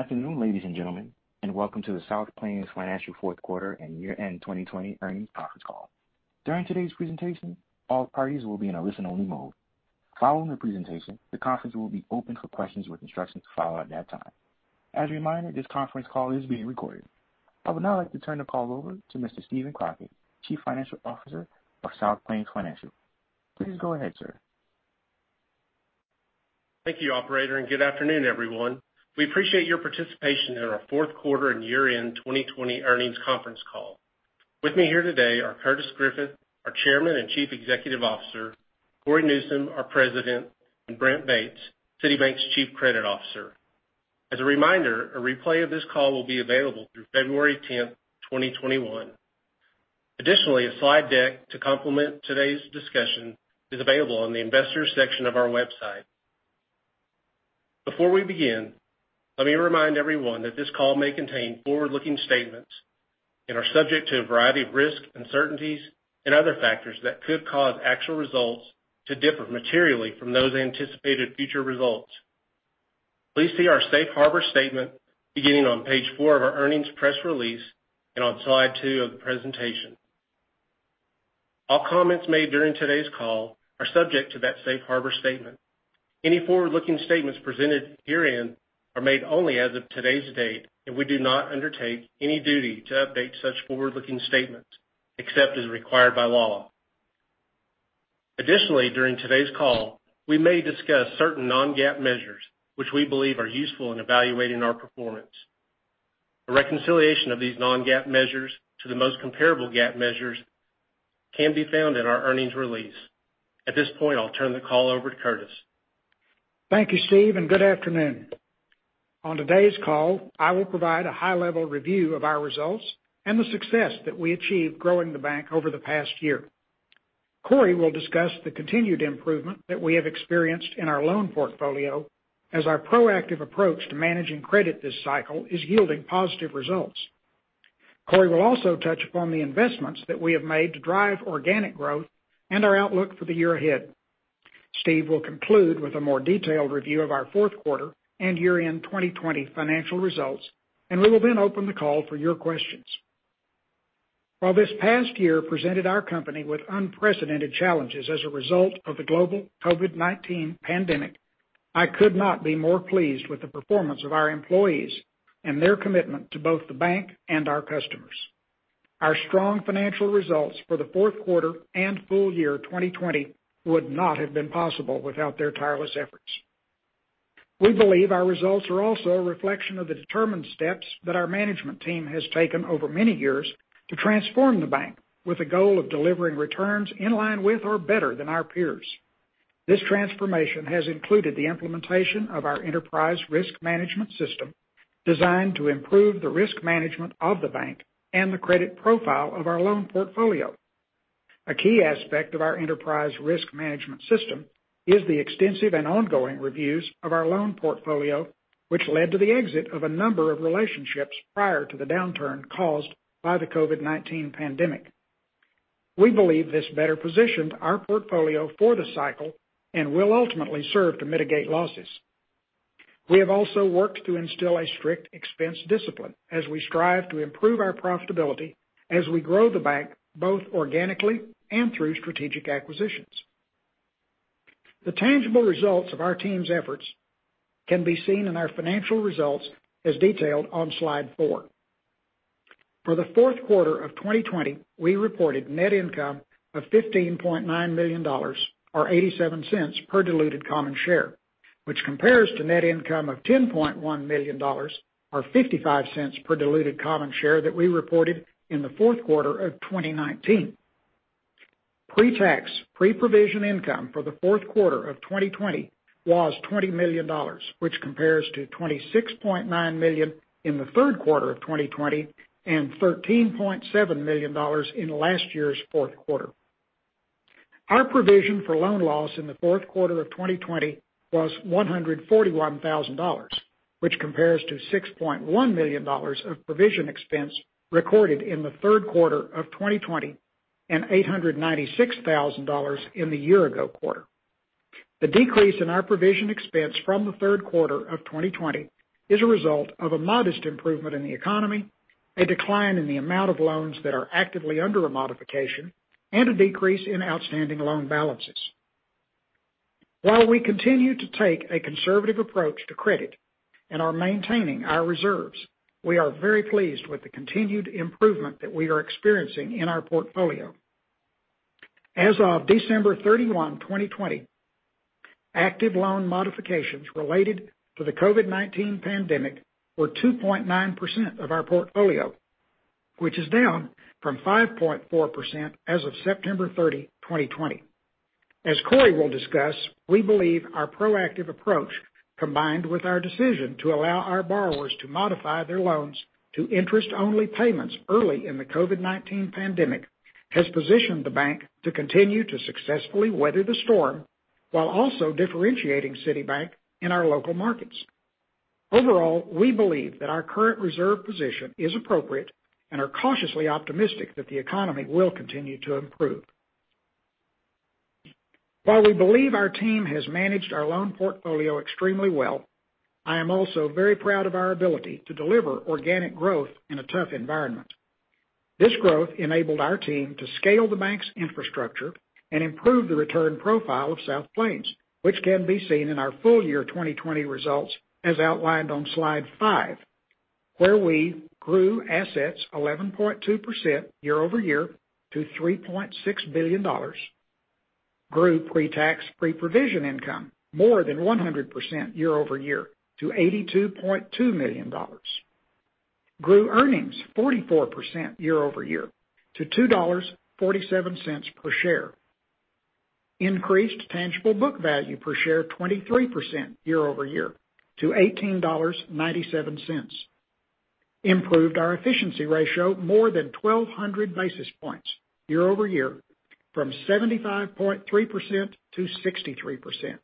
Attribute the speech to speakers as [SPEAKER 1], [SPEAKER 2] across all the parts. [SPEAKER 1] Good afternoon, ladies and gentlemen, and welcome to the South Plains Financial fourth quarter and year-end 2020 earnings conference call. During today's presentation, all parties will be in a listen-only mode. Following the presentation, the conference will be open for questions with instructions to follow at that time. As a reminder, this conference call is being recorded. I would now like to turn the call over to Mr. Steven Crockett, Chief Financial Officer of South Plains Financial. Please go ahead, sir.
[SPEAKER 2] Thank you, operator. Good afternoon, everyone. We appreciate your participation in our fourth quarter and year-end 2020 earnings conference call. With me here today are Curtis Griffith, our Chairman and Chief Executive Officer, Cory Newsom, our President, and Brent Bates, City Bank's Chief Credit Officer. As a reminder, a replay of this call will be available through February 10th, 2021. Additionally, a slide deck to complement today's discussion is available on the Investors section of our website. Before we begin, let me remind everyone that this call may contain forward-looking statements and are subject to a variety of risks, uncertainties, and other factors that could cause actual results to differ materially from those anticipated future results. Please see our safe harbor statement beginning on page four of our earnings press release and on slide two of the presentation. All comments made during today's call are subject to that safe harbor statement. Any forward-looking statements presented herein are made only as of today's date, we do not undertake any duty to update such forward-looking statements, except as required by law. Additionally, during today's call, we may discuss certain non-GAAP measures which we believe are useful in evaluating our performance. A reconciliation of these non-GAAP measures to the most comparable GAAP measures can be found in our earnings release. At this point, I'll turn the call over to Curtis.
[SPEAKER 3] Thank you, Steven, and good afternoon. On today's call, I will provide a high-level review of our results and the success that we achieved growing the bank over the past year. Cory will discuss the continued improvement that we have experienced in our loan portfolio as our proactive approach to managing credit this cycle is yielding positive results. Cory will also touch upon the investments that we have made to drive organic growth and our outlook for the year ahead. Steven will conclude with a more detailed review of our fourth quarter and year-end 2020 financial results, and we will then open the call for your questions. While this past year presented our company with unprecedented challenges as a result of the global COVID-19 pandemic, I could not be more pleased with the performance of our employees and their commitment to both the bank and our customers. Our strong financial results for the fourth quarter and full year 2020 would not have been possible without their tireless efforts. We believe our results are also a reflection of the determined steps that our management team has taken over many years to transform the bank with a goal of delivering returns in line with or better than our peers. This transformation has included the implementation of our enterprise risk management system, designed to improve the risk management of the bank and the credit profile of our loan portfolio. A key aspect of our enterprise risk management system is the extensive and ongoing reviews of our loan portfolio, which led to the exit of a number of relationships prior to the downturn caused by the COVID-19 pandemic. We believe this better positioned our portfolio for the cycle and will ultimately serve to mitigate losses. We have also worked to instill a strict expense discipline as we strive to improve our profitability as we grow the bank both organically and through strategic acquisitions. The tangible results of our team's efforts can be seen in our financial results as detailed on slide four. For the fourth quarter of 2020, we reported net income of $15.9 million, or $0.87 per diluted common share, which compares to net income of $10.1 million, or $0.55 per diluted common share that we reported in the fourth quarter of 2019. Pre-tax, pre-provision income for the fourth quarter of 2020 was $20 million, which compares to $26.9 million in the third quarter of 2020 and $13.7 million in last year's fourth quarter. Our provision for loan loss in the fourth quarter of 2020 was $141,000, which compares to $6.1 million of provision expense recorded in the third quarter of 2020 and $896,000 in the year-ago quarter. The decrease in our provision expense from the third quarter of 2020 is a result of a modest improvement in the economy, a decline in the amount of loans that are actively under a modification, and a decrease in outstanding loan balances. While we continue to take a conservative approach to credit and are maintaining our reserves, we are very pleased with the continued improvement that we are experiencing in our portfolio. As of December 31, 2020, active loan modifications related to the COVID-19 pandemic were 2.9% of our portfolio, which is down from 5.4% as of September 30, 2020. As Cory will discuss, we believe our proactive approach, combined with our decision to allow our borrowers to modify their loans to interest-only payments early in the COVID-19 pandemic, has positioned the bank to continue to successfully weather the storm while also differentiating City Bank in our local markets. Overall, we believe that our current reserve position is appropriate and are cautiously optimistic that the economy will continue to improve. While we believe our team has managed our loan portfolio extremely well, I am also very proud of our ability to deliver organic growth in a tough environment. This growth enabled our team to scale the bank's infrastructure and improve the return profile of South Plains, which can be seen in our full year 2020 results as outlined on slide five, where we grew assets 11.2% year-over-year to $3.6 billion, grew pre-tax, pre-provision income more than 100% year-over-year to $82.2 million, grew earnings 44% year-over-year to $2.47 per share, increased tangible book value per share 23% year-over-year to $18.97, improved our efficiency ratio more than 1,200 basis points year-over-year from 75.3%-63%,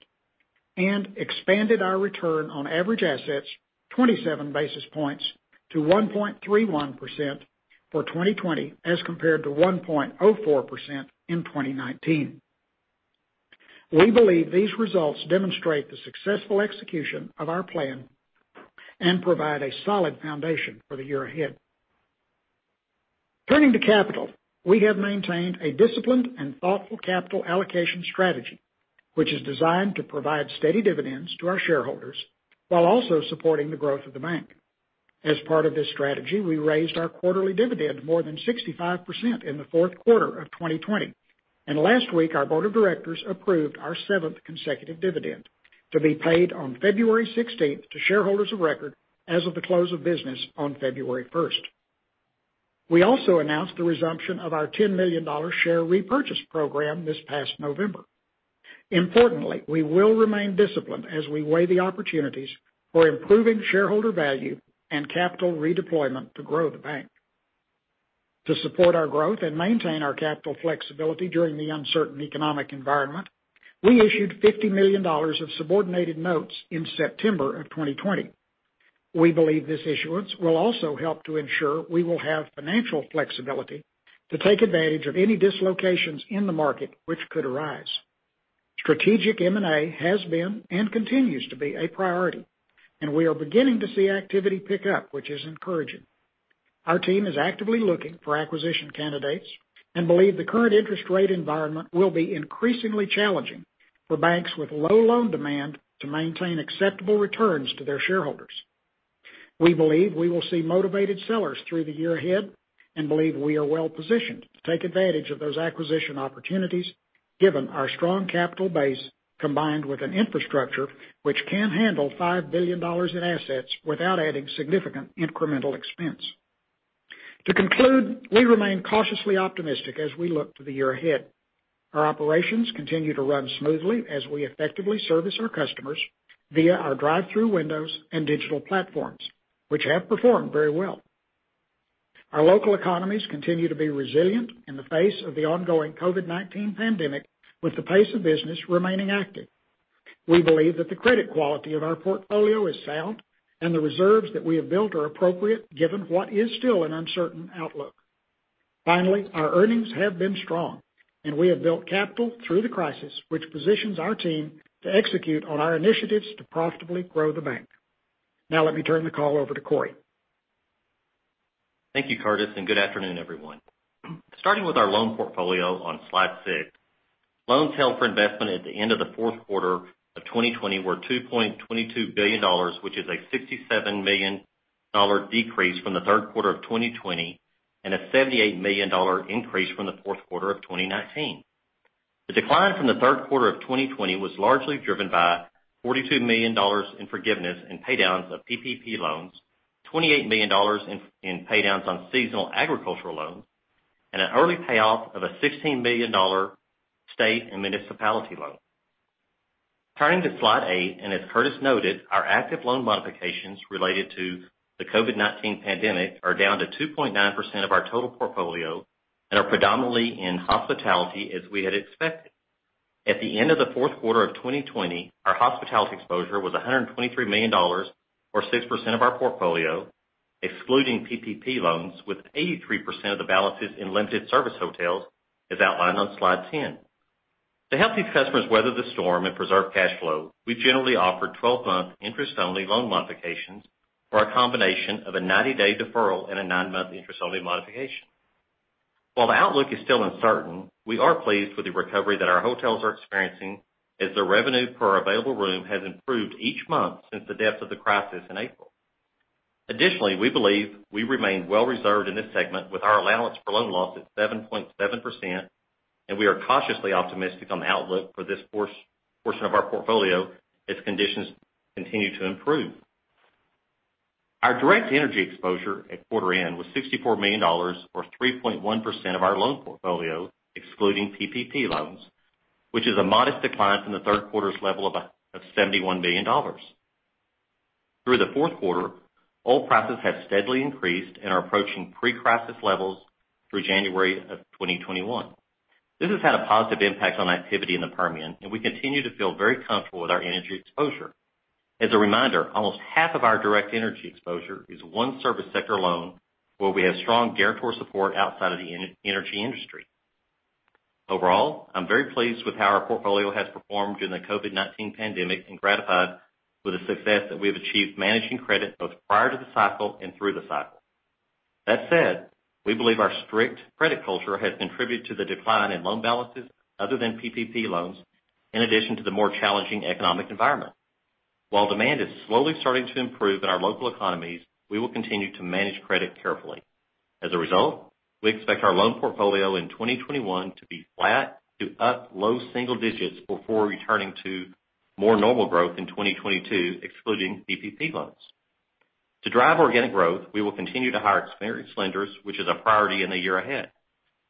[SPEAKER 3] and expanded our return on average assets 27 basis points to 1.31% for 2020 as compared to 1.04% in 2019. We believe these results demonstrate the successful execution of our plan and provide a solid foundation for the year ahead. Turning to capital, we have maintained a disciplined and thoughtful capital allocation strategy, which is designed to provide steady dividends to our shareholders while also supporting the growth of the bank. As part of this strategy, we raised our quarterly dividend more than 65% in the fourth quarter of 2020. Last week, our board of directors approved our seventh consecutive dividend to be paid on February 16th to shareholders of record as of the close of business on February 1st. We also announced the resumption of our $10 million share repurchase program this past November. Importantly, we will remain disciplined as we weigh the opportunities for improving shareholder value and capital redeployment to grow the bank. To support our growth and maintain our capital flexibility during the uncertain economic environment, we issued $50 million of subordinated notes in September of 2020. We believe this issuance will also help to ensure we will have financial flexibility to take advantage of any dislocations in the market which could arise. Strategic M&A has been and continues to be a priority, and we are beginning to see activity pick up, which is encouraging. Our team is actively looking for acquisition candidates and believe the current interest rate environment will be increasingly challenging for banks with low loan demand to maintain acceptable returns to their shareholders. We believe we will see motivated sellers through the year ahead and believe we are well positioned to take advantage of those acquisition opportunities given our strong capital base, combined with an infrastructure which can handle $5 billion in assets without adding significant incremental expense. To conclude, we remain cautiously optimistic as we look to the year ahead. Our operations continue to run smoothly as we effectively service our customers via our drive-through windows and digital platforms, which have performed very well. Our local economies continue to be resilient in the face of the ongoing COVID-19 pandemic, with the pace of business remaining active. We believe that the credit quality of our portfolio is sound and the reserves that we have built are appropriate given what is still an uncertain outlook. Our earnings have been strong and we have built capital through the crisis, which positions our team to execute on our initiatives to profitably grow the bank. Now let me turn the call over to Cory Newsom.
[SPEAKER 4] Thank you, Curtis, and good afternoon, everyone. Starting with our loan portfolio on slide six, loans held for investment at the end of the fourth quarter of 2020 were $2.22 billion, which is a $67 million decrease from the third quarter of 2020 and a $78 million increase from the fourth quarter of 2019. The decline from the third quarter of 2020 was largely driven by $42 million in forgiveness and pay-downs of PPP loans, $28 million in pay-downs on seasonal agricultural loans, and an early payoff of a $16 million state and municipality loan. Turning to slide eight, and as Curtis noted, our active loan modifications related to the COVID-19 pandemic are down to 2.9% of our total portfolio and are predominantly in hospitality as we had expected. At the end of the fourth quarter of 2020, our hospitality exposure was $123 million, or 6% of our portfolio, excluding PPP loans with 83% of the balances in limited service hotels, as outlined on slide 10. To help these customers weather the storm and preserve cash flow, we generally offered 12-month interest-only loan modifications or a combination of a 90-day deferral and a nine-month interest-only modification. While the outlook is still uncertain, we are pleased with the recovery that our hotels are experiencing as the revenue per available room has improved each month since the depths of the crisis in April. Additionally, we believe we remain well reserved in this segment with our allowance for loan loss at 7.7%, and we are cautiously optimistic on the outlook for this portion of our portfolio as conditions continue to improve. Our direct energy exposure at quarter end was $64 million or 3.1% of our loan portfolio, excluding PPP loans, which is a modest decline from the third quarter's level of $71 million. Through the fourth quarter, oil prices have steadily increased and are approaching pre-crisis levels through January of 2021. This has had a positive impact on activity in the Permian, and we continue to feel very comfortable with our energy exposure. As a reminder, almost half of our direct energy exposure is one service sector loan where we have strong guarantor support outside of the energy industry. Overall, I'm very pleased with how our portfolio has performed during the COVID-19 pandemic, and gratified with the success that we have achieved managing credit both prior to the cycle and through the cycle. That said, we believe our strict credit culture has contributed to the decline in loan balances other than PPP loans, in addition to the more challenging economic environment. While demand is slowly starting to improve in our local economies, we will continue to manage credit carefully. As a result, we expect our loan portfolio in 2021 to be flat to up low single digits before returning to more normal growth in 2022, excluding PPP loans. To drive organic growth, we will continue to hire experienced lenders, which is a priority in the year ahead.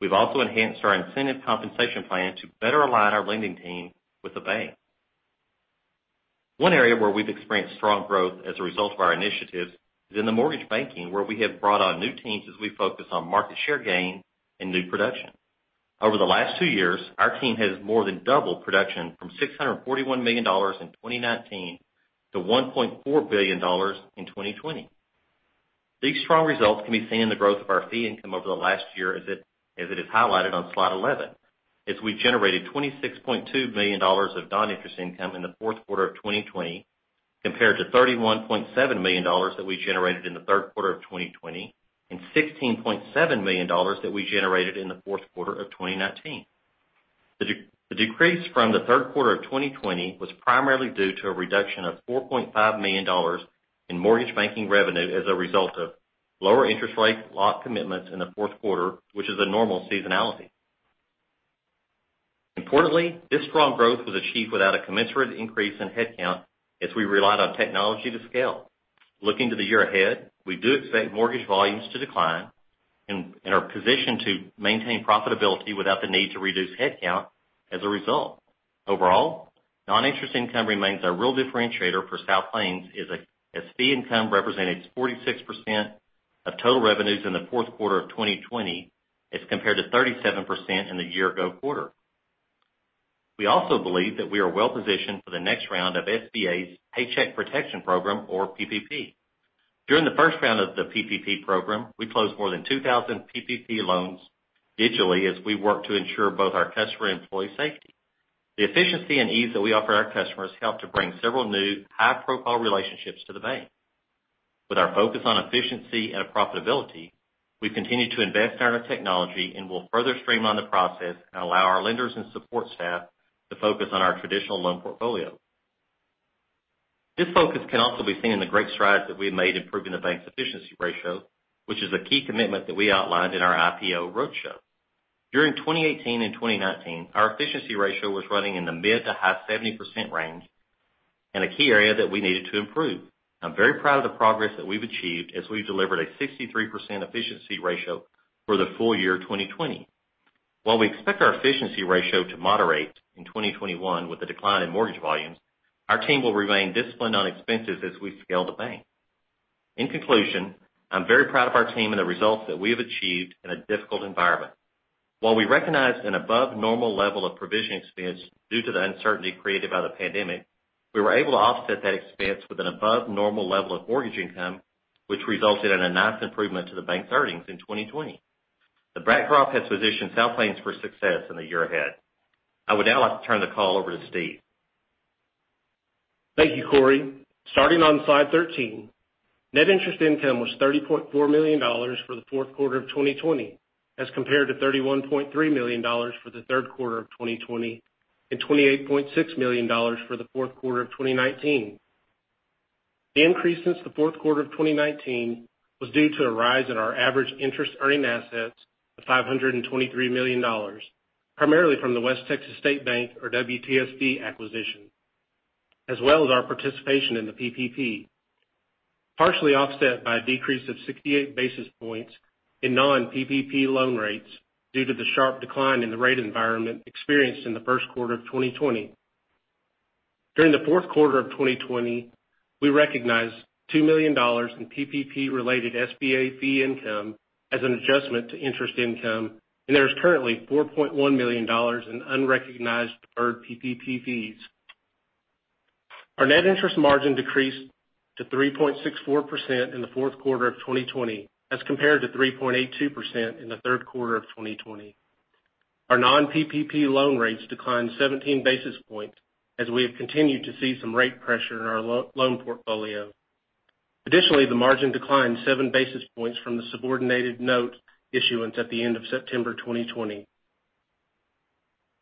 [SPEAKER 4] We've also enhanced our incentive compensation plan to better align our lending team with the bank. One area where we've experienced strong growth as a result of our initiatives is in the mortgage banking, where we have brought on new teams as we focus on market share gain and new production. Over the last two years, our team has more than doubled production from $641 million in 2019 to $1.4 billion in 2020. These strong results can be seen in the growth of our fee income over the last year as it is highlighted on slide 11, as we generated $26.2 million of non-interest income in the fourth quarter of 2020, compared to $31.7 million that we generated in the third quarter of 2020, and $16.7 million that we generated in the fourth quarter of 2019. The decrease from the third quarter of 2020 was primarily due to a reduction of $4.5 million in mortgage banking revenue as a result of lower interest rate lock commitments in the fourth quarter, which is a normal seasonality. Importantly, this strong growth was achieved without a commensurate increase in head count as we relied on technology to scale. Looking to the year ahead, we do expect mortgage volumes to decline and are positioned to maintain profitability without the need to reduce head count as a result. Overall, non-interest income remains our real differentiator for South Plains Financial, as fee income represented 46% of total revenues in the fourth quarter of 2020 as compared to 37% in the year ago quarter. We also believe that we are well-positioned for the next round of SBA's Paycheck Protection Program, or PPP. During the first round of the PPP program, we closed more than 2,000 PPP loans digitally as we worked to ensure both our customer and employee safety. The efficiency and ease that we offer our customers helped to bring several new high-profile relationships to the bank. With our focus on efficiency and profitability, we've continued to invest in our technology and will further streamline the process and allow our lenders and support staff to focus on our traditional loan portfolio. This focus can also be seen in the great strides that we've made improving the bank's efficiency ratio, which is a key commitment that we outlined in our IPO roadshow. During 2018 and 2019, our efficiency ratio was running in the mid to high 70% range and a key area that we needed to improve. I'm very proud of the progress that we've achieved as we've delivered a 63% efficiency ratio for the full year 2020. While we expect our efficiency ratio to moderate in 2021 with the decline in mortgage volumes, our team will remain disciplined on expenses as we scale the bank. In conclusion, I'm very proud of our team and the results that we have achieved in a difficult environment. While we recognized an above normal level of provision expense due to the uncertainty created by the pandemic, we were able to offset that expense with an above normal level of mortgage income, which resulted in a nice improvement to the bank's earnings in 2020. The backdrop has positioned South Plains Financial for success in the year ahead. I would now like to turn the call over to Steven.
[SPEAKER 2] Thank you, Cory. Starting on slide 13, net interest income was $30.4 million for the fourth quarter of 2020 as compared to $31.3 million for the third quarter of 2020 and $28.6 million for the fourth quarter of 2019. The increase since the fourth quarter of 2019 was due to a rise in our average interest-earning assets of $523 million, primarily from the West Texas State Bank, or WTSB acquisition, as well as our participation in the PPP. Partially offset by a decrease of 68 basis points in non-PPP loan rates due to the sharp decline in the rate environment experienced in the first quarter of 2020. During the fourth quarter of 2020, we recognized $2 million in PPP related SBA fee income as an adjustment to interest income, and there is currently $4.1 million in unrecognized deferred PPP fees. Our net interest margin decreased to 3.64% in the fourth quarter of 2020 as compared to 3.82% in the third quarter of 2020. Our non-PPP loan rates declined 17 basis points as we have continued to see some rate pressure in our loan portfolio. Additionally, the margin declined 7 basis points from the subordinated note issuance at the end of September 2020.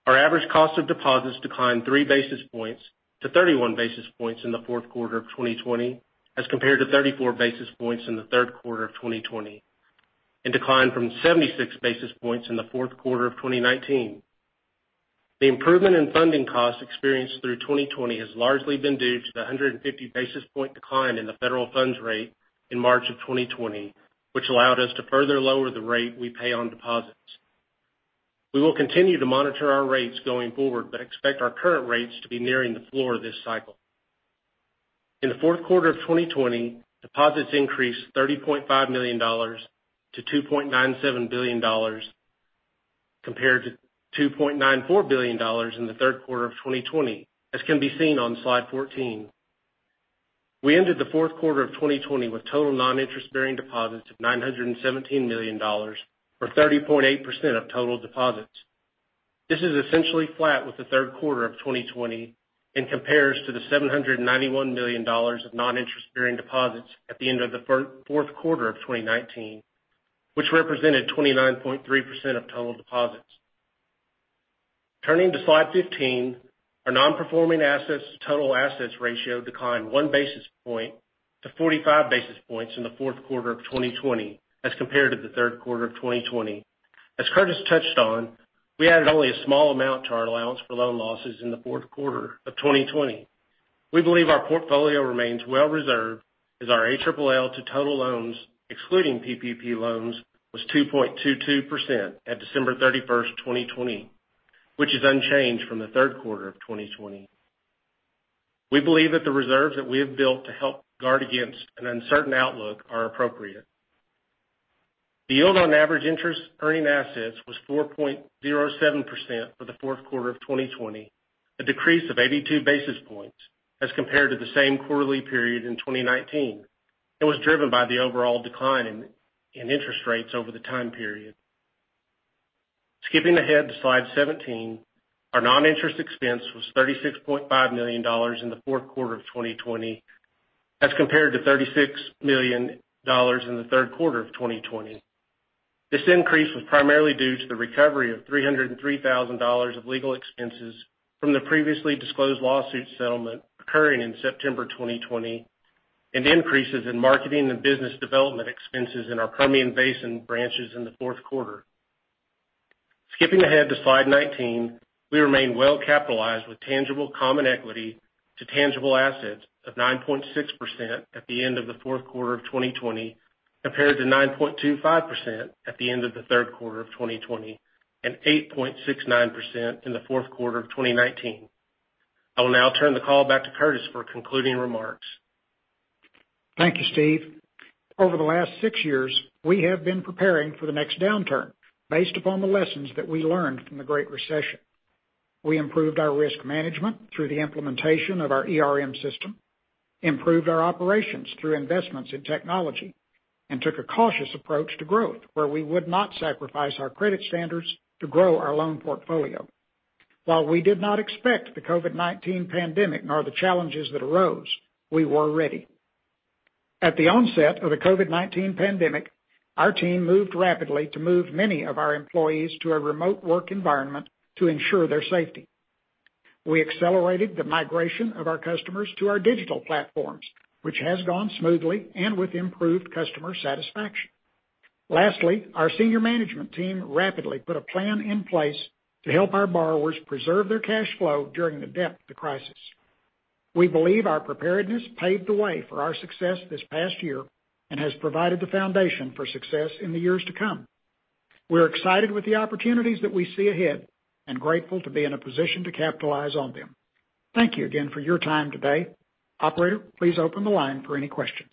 [SPEAKER 2] Our average cost of deposits declined 3 basis points to 31 basis points in the fourth quarter of 2020 as compared to 34 basis points in the third quarter of 2020, and declined from 76 basis points in the fourth quarter of 2019. The improvement in funding costs experienced through 2020 has largely been due to the 150 basis point decline in the federal funds rate in March of 2020, which allowed us to further lower the rate we pay on deposits. We will continue to monitor our rates going forward but expect our current rates to be nearing the floor this cycle. In the fourth quarter of 2020, deposits increased $30.5 million to $2.97 billion compared to $2.94 billion in the third quarter of 2020, as can be seen on slide 14. We ended the fourth quarter of 2020 with total non-interest-bearing deposits of $917 million, or 30.8% of total deposits. This is essentially flat with the third quarter of 2020 and compares to the $791 million of non-interest-bearing deposits at the end of the fourth quarter of 2019, which represented 29.3% of total deposits. Turning to slide 15, our non-performing assets to total assets ratio declined 1 basis point to 45 basis points in the fourth quarter of 2020 as compared to the third quarter of 2020. As Curtis touched on, we added only a small amount to our allowance for loan losses in the fourth quarter of 2020. We believe our portfolio remains well reserved as our ALL to total loans, excluding PPP loans, was 2.22% at December 31st, 2020, which is unchanged from the third quarter of 2020. We believe that the reserves that we have built to help guard against an uncertain outlook are appropriate. The yield on average interest-earning assets was 4.07% for the fourth quarter of 2020, a decrease of 82 basis points as compared to the same quarterly period in 2019, and was driven by the overall decline in interest rates over the time period. Skipping ahead to slide 17, our non-interest expense was $36.5 million in the fourth quarter of 2020 as compared to $36 million in the third quarter of 2020. This increase was primarily due to the recovery of $303,000 of legal expenses from the previously disclosed lawsuit settlement occurring in September 2020 and increases in marketing and business development expenses in our Permian Basin branches in the fourth quarter. Skipping ahead to slide 19, we remain well-capitalized with tangible common equity to tangible assets of 9.6% at the end of the fourth quarter of 2020, compared to 9.25% at the end of the third quarter of 2020 and 8.69% in the fourth quarter of 2019. I will now turn the call back to Curtis for concluding remarks.
[SPEAKER 3] Thank you, Steven. Over the last six years, we have been preparing for the next downturn based upon the lessons that we learned from the Great Recession. We improved our risk management through the implementation of our ERM system, improved our operations through investments in technology, and took a cautious approach to growth where we would not sacrifice our credit standards to grow our loan portfolio. While we did not expect the COVID-19 pandemic nor the challenges that arose, we were ready. At the onset of the COVID-19 pandemic, our team moved rapidly to move many of our employees to a remote work environment to ensure their safety. We accelerated the migration of our customers to our digital platforms, which has gone smoothly and with improved customer satisfaction. Lastly, our senior management team rapidly put a plan in place to help our borrowers preserve their cash flow during the depth of the crisis. We believe our preparedness paved the way for our success this past year and has provided the foundation for success in the years to come. We're excited with the opportunities that we see ahead and grateful to be in a position to capitalize on them. Thank you again for your time today. Operator, please open the line for any questions.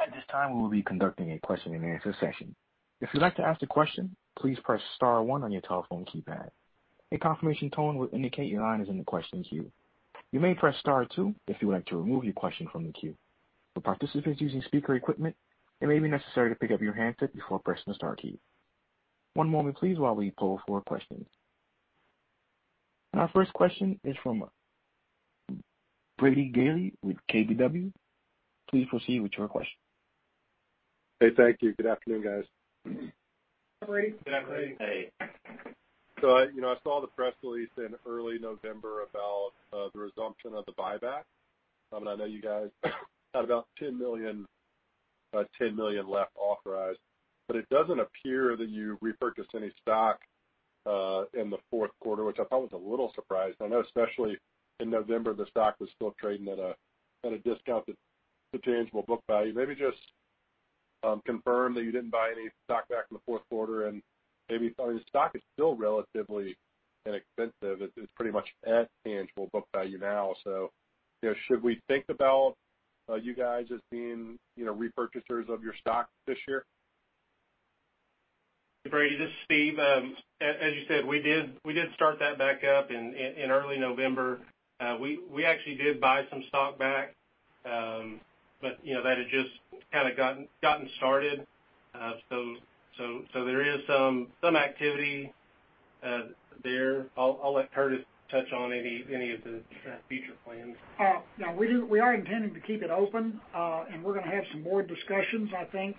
[SPEAKER 1] At this time we will be conducting a question and answer session. If you would like to ask a question please press star one on your telephone keypad. A confirmation tone will indicate your line is in the question queue. You may press star two if you would like to remove your question from the queue. The participants using speaker equipment, it may be necessary to pick up your handset before pressing the star key. One moment, please, while we poll for questions. Our first question is from Brady Gailey with KBW. Please proceed with your question.
[SPEAKER 5] Hey, thank you. Good afternoon, guys.
[SPEAKER 2] Hi, Brady.
[SPEAKER 3] Hey, Brady.
[SPEAKER 5] Hey. I saw the press release in early November about the resumption of the buyback. I know you guys had about $10 million left authorized, but it doesn't appear that you repurchased any stock in the fourth quarter, which I thought was a little surprising. I know especially in November, the stock was still trading at a discount to tangible book value. Maybe just confirm that you didn't buy any stock back in the fourth quarter, and maybe the stock is still relatively inexpensive. It's pretty much at tangible book value now. Should we think about you guys as being repurchasers of your stock this year?
[SPEAKER 2] Brady, this is Steven. As you said, we did start that back up in early November. We actually did buy some stock back, but that had just kind of gotten started. There is some activity there. I'll let Curtis touch on any of the future plans.
[SPEAKER 3] We are intending to keep it open, and we're going to have some board discussions, I think.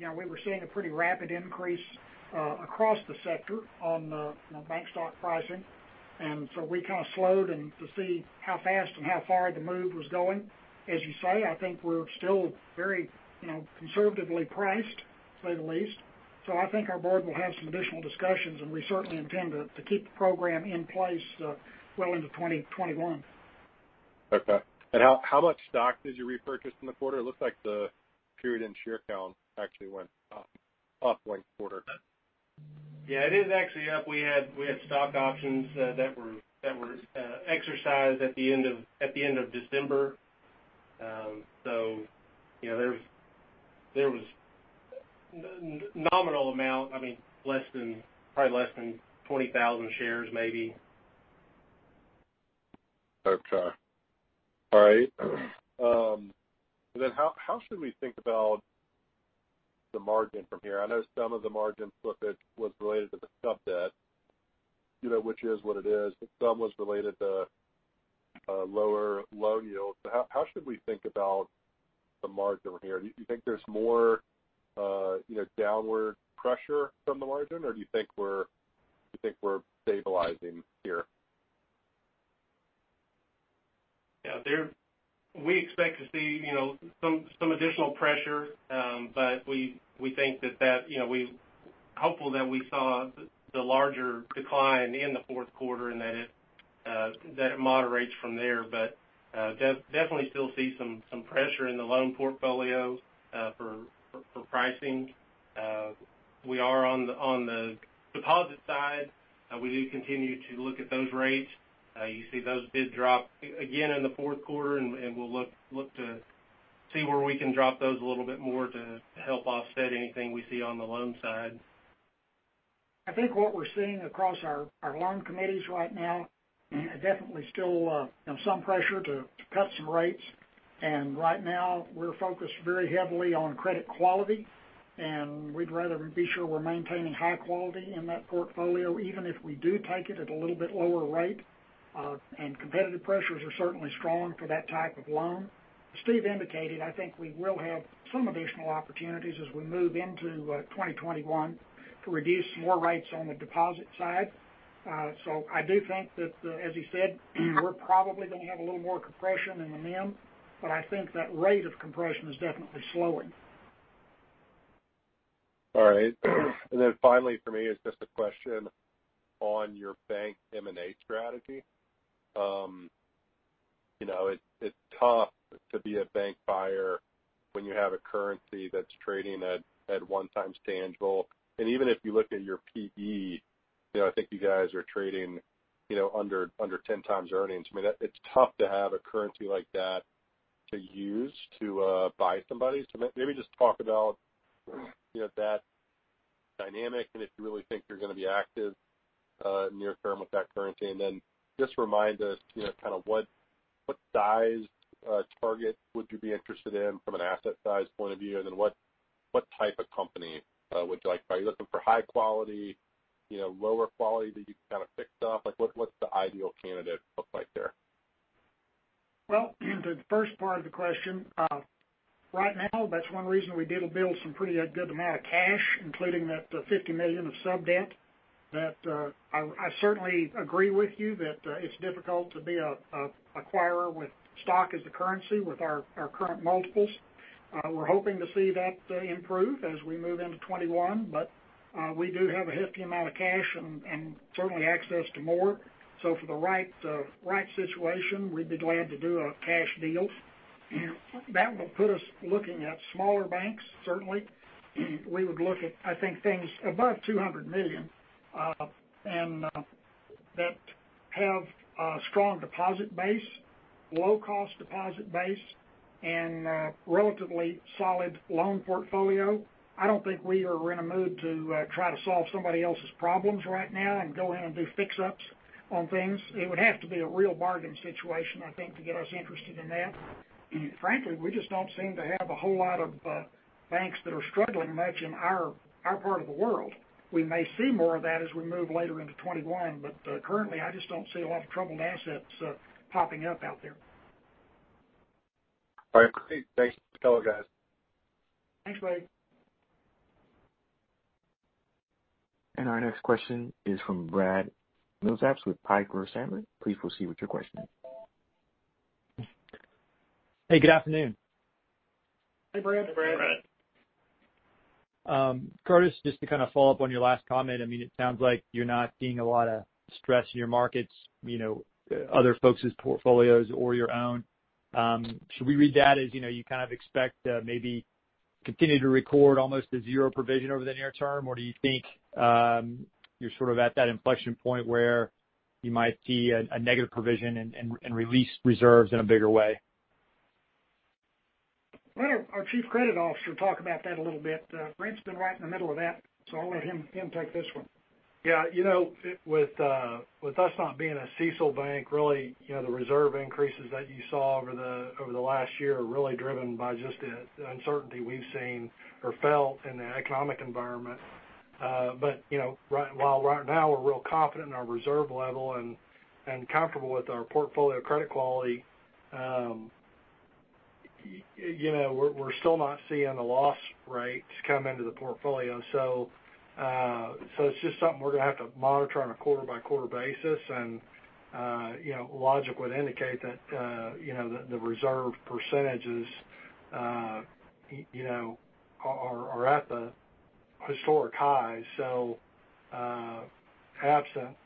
[SPEAKER 3] We were seeing a pretty rapid increase across the sector on bank stock pricing, and so we kind of slowed to see how fast and how far the move was going. As you say, I think we're still very conservatively priced, to say the least. I think our board will have some additional discussions, and we certainly intend to keep the program in place well into 2021.
[SPEAKER 5] Okay. How much stock did you repurchase in the quarter? It looks like the period-end share count actually went up one quarter.
[SPEAKER 2] Yeah, it is actually up. We had stock options that were exercised at the end of December. There was nominal amount, probably less than 20,000 shares maybe.
[SPEAKER 5] Okay. All right. How should we think about the margin from here? I know some of the margin slippage was related to the sub-debt, which is what it is, but some was related to lower loan yields. How should we think about the margin here? Do you think there's more downward pressure from the margin, or do you think we're stabilizing here?
[SPEAKER 2] We expect to see some additional pressure, we're hopeful that we saw the larger decline in the fourth quarter and that it moderates from there. Definitely still see some pressure in the loan portfolio for pricing. We are on the deposit side. We do continue to look at those rates. You see those did drop again in the fourth quarter, and we'll look to see where we can drop those a little bit more to help offset anything we see on the loan side.
[SPEAKER 3] I think what we're seeing across our loan committees right now, definitely still some pressure to cut some rates. Right now we're focused very heavily on credit quality, and we'd rather be sure we're maintaining high quality in that portfolio, even if we do take it at a little bit lower rate. Competitive pressures are certainly strong for that type of loan. As Steven indicated, I think we will have some additional opportunities as we move into 2021 to reduce some more rates on the deposit side. I do think that, as he said, we're probably going to have a little more compression in the NIM, but I think that rate of compression is definitely slowing.
[SPEAKER 5] All right. Finally for me is just a question on your bank M&A strategy. It's tough to be a bank buyer when you have a currency that's trading at one times tangible. Even if you look at your P/E, I think you guys are trading under 10 times earnings. It's tough to have a currency like that to use to buy somebody. Maybe just talk about that dynamic if you really think you're going to be active near term with that currency, just remind us what size target would you be interested in from an asset size point of view, what type of company would you like to buy? Are you looking for high quality, lower quality that you can fix up? What's the ideal candidate look like there?
[SPEAKER 3] To the first part of the question, right now, that's one reason we did build some pretty good amount of cash, including that $50 million of sub-debt, that I certainly agree with you that it's difficult to be an acquirer with stock as a currency with our current multiples. We're hoping to see that improve as we move into 2021, but we do have a hefty amount of cash and certainly access to more. For the right situation, we'd be glad to do a cash deal. That will put us looking at smaller banks, certainly. We would look at, I think, things above $200 million, and that have a strong deposit base, low cost deposit base, and relatively solid loan portfolio. I don't think we are in a mood to try to solve somebody else's problems right now and go in and do fix-ups on things. It would have to be a real bargain situation, I think, to get us interested in that. Frankly, we just don't seem to have a whole lot of banks that are struggling much in our part of the world. We may see more of that as we move later into 2021, but currently, I just don't see a lot of troubled assets popping up out there.
[SPEAKER 5] All right. Great. Thanks for those, guys.
[SPEAKER 3] Thanks, Brady.
[SPEAKER 1] Our next question is from Brad Milsaps with Piper Sandler. Please proceed with your question.
[SPEAKER 6] Hey, good afternoon.
[SPEAKER 3] Hey, Brad.
[SPEAKER 2] Hey, Brad.
[SPEAKER 6] Curtis, just to follow up on your last comment, it sounds like you're not seeing a lot of stress in your markets, other folks' portfolios or your own. Should we read that as you expect maybe continue to record almost a zero provision over the near term, or do you think you're at that inflection point where you might see a negative provision and release reserves in a bigger way?
[SPEAKER 3] Let our Chief Credit Officer talk about that a little bit. Brent's been right in the middle of that. I'll let him take this one.
[SPEAKER 7] Yeah. With us not being a CECL bank, really, the reserve increases that you saw over the last year are really driven by just the uncertainty we've seen or felt in the economic environment. While right now we're real confident in our reserve level and comfortable with our portfolio credit quality, we're still not seeing the loss rates come into the portfolio. It's just something we're going to have to monitor on a quarter-by-quarter basis, logic would indicate that the reserve percentages are at the historic highs. Absent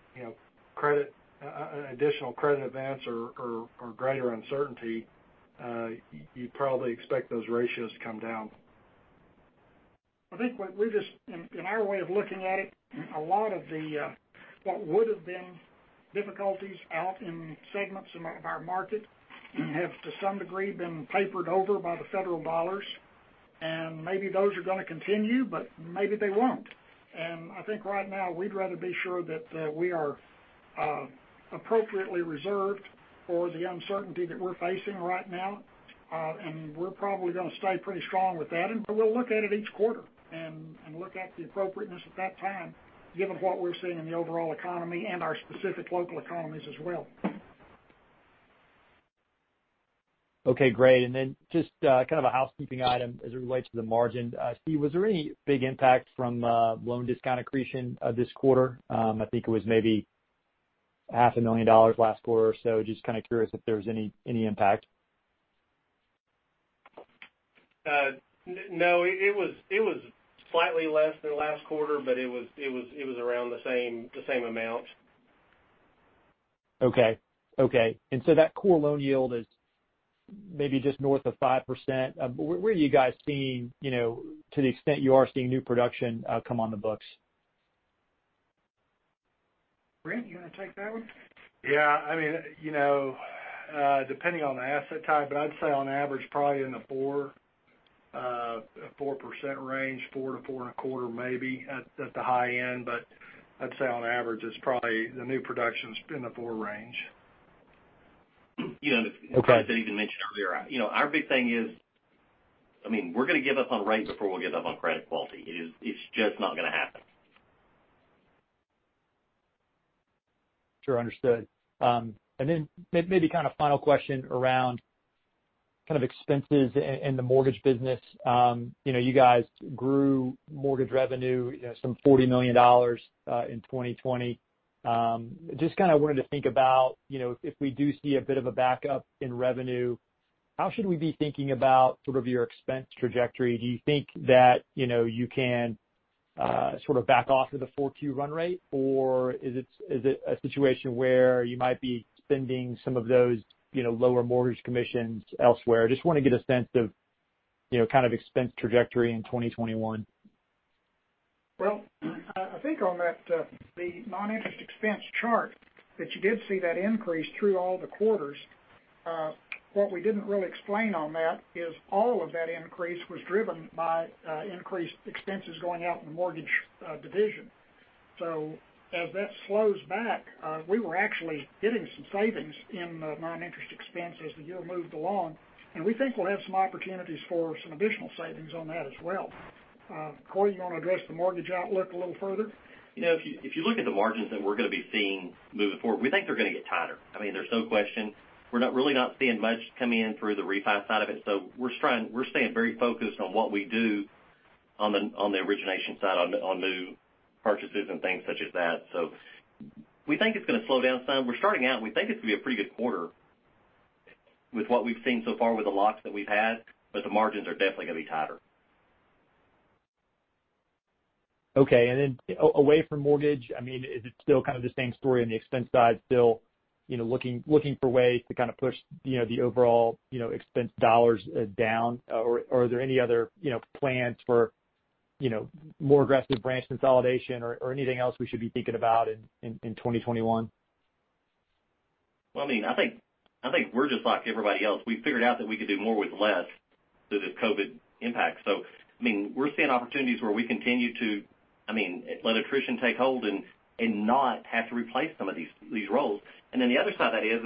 [SPEAKER 7] additional credit events or greater uncertainty, you'd probably expect those ratios to come down.
[SPEAKER 3] I think in our way of looking at it, a lot of what would've been difficulties out in segments of our market have, to some degree, been papered over by the federal dollars. Maybe those are going to continue, but maybe they won't. I think right now, we'd rather be sure that we are appropriately reserved for the uncertainty that we're facing right now. We're probably going to stay pretty strong with that. We'll look at it each quarter and look at the appropriateness at that time, given what we're seeing in the overall economy and our specific local economies as well.
[SPEAKER 6] Okay, great. Just kind of a housekeeping item as it relates to the margin. Steven, was there any big impact from loan discount accretion this quarter? I think it was maybe $500,000 million last quarter, so just kind of curious if there was any impact.
[SPEAKER 2] No. It was slightly less than last quarter, but it was around the same amount.
[SPEAKER 6] Okay. That core loan yield is maybe just north of 5%. Where are you guys seeing, to the extent you are seeing new production come on the books?
[SPEAKER 3] Brent, you want to take that one?
[SPEAKER 7] Yeah. Depending on the asset type, I'd say on average, probably in the 4% range. 4%-4% and a quarter maybe at the high end. I'd say on average, it's probably the new production's in the four range.
[SPEAKER 6] Okay.
[SPEAKER 4] As I even mentioned earlier, our big thing is we're going to give up on rate before we give up on credit quality. It's just not going to happen.
[SPEAKER 6] Sure. Understood. Maybe kind of final question around kind of expenses in the mortgage business. You guys grew mortgage revenue some $40 million in 2020. Just kind of wanted to think about if we do see a bit of a backup in revenue, how should we be thinking about sort of your expense trajectory? Do you think that you can sort of back off of the Q4 run rate, or is it a situation where you might be spending some of those lower mortgage commissions elsewhere? I just want to get a sense of kind of expense trajectory in 2021.
[SPEAKER 3] I think on the non-interest expense chart that you did see that increase through all the quarters. What we didn't really explain on that is all of that increase was driven by increased expenses going out in the mortgage division. As that slows back, we were actually getting some savings in the non-interest expense as the year moved along, and we think we'll have some opportunities for some additional savings on that as well. Cory, you want to address the mortgage outlook a little further?
[SPEAKER 4] If you look at the margins that we're going to be seeing moving forward, we think they're going to get tighter. There's no question. We're really not seeing much come in through the refi side of it. We're staying very focused on what we do on the origination side on new purchases and things such as that. We think it's going to slow down some. We're starting out, and we think it's going to be a pretty good quarter with what we've seen so far with the locks that we've had, but the margins are definitely going to be tighter.
[SPEAKER 6] Okay. Away from mortgage, is it still kind of the same story on the expense side, still looking for ways to kind of push the overall expense dollars down, or are there any other plans for more aggressive branch consolidation or anything else we should be thinking about in 2021?
[SPEAKER 4] Well, I think we're just like everybody else. We figured out that we could do more with less through the COVID impact. We're seeing opportunities where we continue to let attrition take hold and not have to replace some of these roles. The other side that is,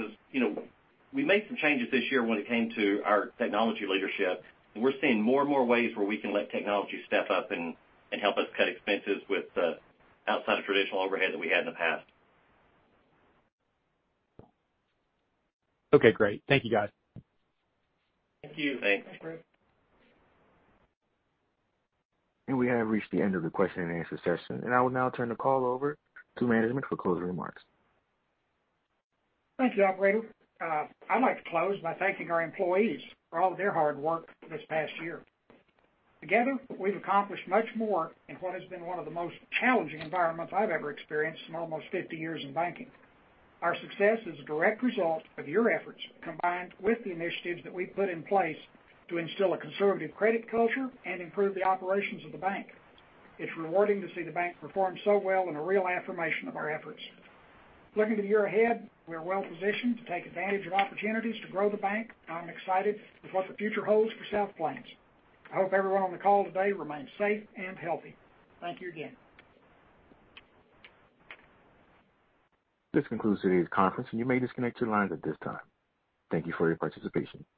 [SPEAKER 4] we made some changes this year when it came to our technology leadership, and we're seeing more and more ways where we can let technology step up and help us cut expenses outside of traditional overhead that we had in the past.
[SPEAKER 6] Okay, great. Thank you, guys.
[SPEAKER 3] Thank you.
[SPEAKER 2] Thanks.
[SPEAKER 4] Thanks.
[SPEAKER 1] We have reached the end of the question and answer session, and I will now turn the call over to management for closing remarks.
[SPEAKER 3] Thank you, operator. I'd like to close by thanking our employees for all of their hard work this past year. Together, we've accomplished much more in what has been one of the most challenging environments I've ever experienced in almost 50 years in banking. Our success is a direct result of your efforts, combined with the initiatives that we've put in place to instill a conservative credit culture and improve the operations of the bank. It's rewarding to see the bank perform so well and a real affirmation of our efforts. Looking to the year ahead, we are well positioned to take advantage of opportunities to grow the bank. I'm excited with what the future holds for South Plains Financial. I hope everyone on the call today remains safe and healthy. Thank you again.
[SPEAKER 1] This concludes today's conference, and you may disconnect your lines at this time. Thank you for your participation.